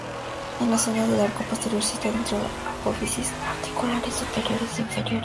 Es la zona del arco posterior situada entre las apófisis articulares superiores e inferiores.